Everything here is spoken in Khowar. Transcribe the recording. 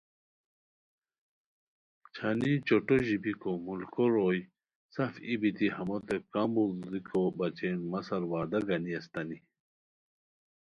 چھانی چوٹھو ژیبیکو ملکو روئے سف ای بیتی ہموتے کمبوڑ دیکو بچین مہ سار وعدہ گانی استانی